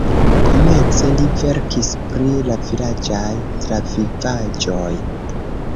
Komence li verkis pri la vilaĝaj travivaĵoj.